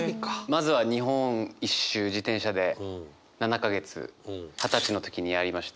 まずは日本一周自転車で７か月二十歳の時にやりまして。